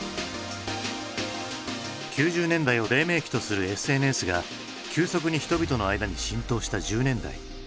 ９０年代を黎明期とするＳＮＳが急速に人々の間に浸透した１０年代。